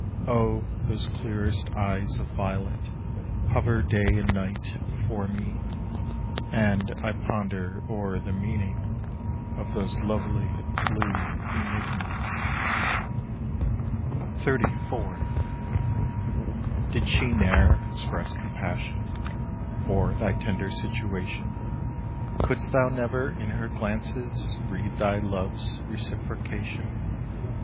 Oh, those clearest eyes of violet Hover day and night before me, And I ponder o'er the meaning Of those lovely blue enigmas. XXXIV. "Did she ne'er express compassion For thy tender situation? Could'st thou never in her glances Read thy love's reciprocation?